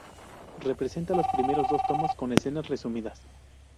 Representa los primeros dos tomos con escenas resumidas.